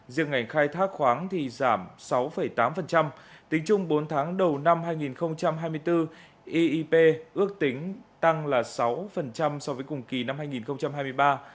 riêng ngành khai thác khoáng thì giảm sáu tám tính chung bốn tháng đầu năm hai nghìn hai mươi bốn eep ước tính tăng sáu so với cùng kỳ năm hai nghìn hai mươi ba